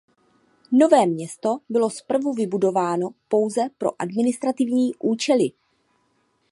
Nové město bylo zprvu vybudováno pouze pro administrativní účely.